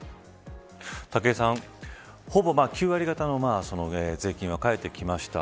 武井さん、ほぼ９割方の税金は返ってきました。